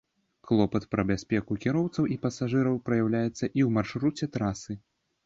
Клопат пра бяспеку кіроўцаў і пасажыраў праяўляецца і ў маршруце трасы.